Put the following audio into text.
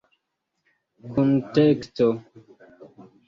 kunteksto